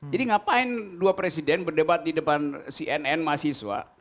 jadi ngapain dua presiden berdebat di depan cnn mahasiswa